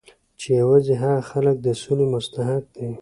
چې یوازې هغه خلک د سولې مستحق دي